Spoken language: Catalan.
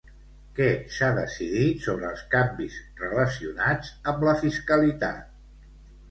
Què s'ha decidit sobre els canvis relacionats amb la fiscalitat?